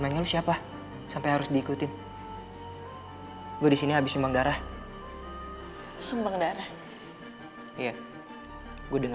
percaya dong si j highlight nya dia